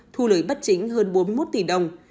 thu lời bất chính hơn bốn mươi một tỷ đồng